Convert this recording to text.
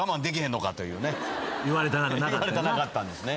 言われたなかったんですね。